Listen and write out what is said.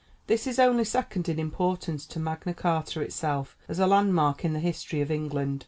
This is only second in importance to Magna Charta itself as a landmark in the history of England.